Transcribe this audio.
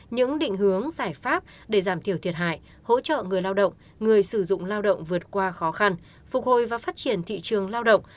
những định hướng giải pháp để giảm thiểu thiệt hại hỗ trợ người lao động người sử dụng lao động vượt qua khó khăn phục hồi và phát triển thị trường lao động